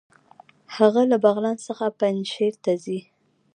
هغه له بغلان څخه پنجهیر ته ځي.